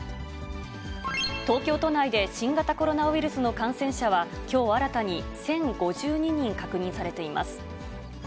東京都内で新型コロナウイルスの感染者は、きょう新たに１０５２人確認されています。